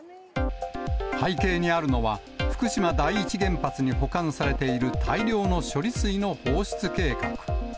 背景にあるのは、福島第一原発に保管されている大量の処理水の放出計画。